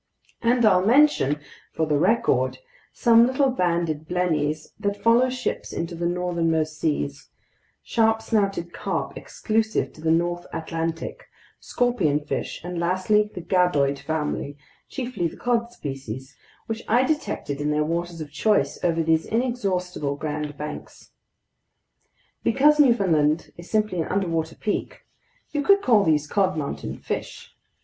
And I'll mention—for the record—some little banded blennies that follow ships into the northernmost seas, sharp snouted carp exclusive to the north Atlantic, scorpionfish, and lastly the gadoid family, chiefly the cod species, which I detected in their waters of choice over these inexhaustible Grand Banks. Because Newfoundland is simply an underwater peak, you could call these cod mountain fish.